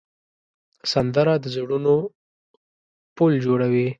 سندره د زړونو پل جوړوي